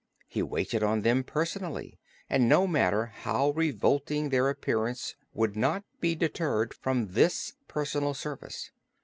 He waited on them personally and no matter how revolting their appearance would not be deterred from this personal service.